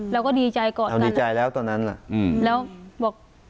เราก็ดีใจก่อนเราดีใจแล้วตอนนั้นล่ะอืมแล้วบอก